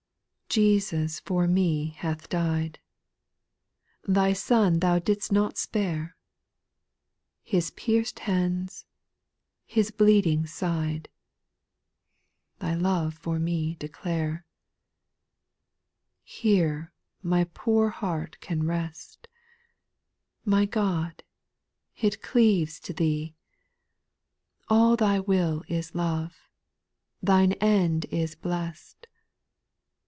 Jesus for me hath died ; Thy Bon Thou did'st not spare ; His pierced hands. His bleeding side, Thy love for me declare. 6. Here my poor heart can rest. My God I it cleaves to Thee ; SPIRITUAL 80NQ8. 125 Thy will is love, Thine end is blest.